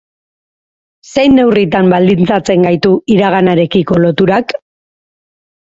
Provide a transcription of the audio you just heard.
Zein neurritan baldintzatzen gaitu iraganarekiko loturak?